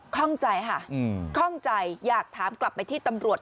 ข้องใจค่ะข้องใจอยากถามกลับไปที่ตำรวจ